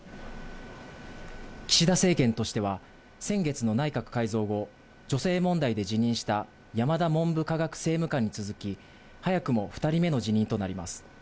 岸田政権としては、先月の内閣改造後、女性問題で辞任した山田文部科学政務官に続き、早くも２人目の辞任となります。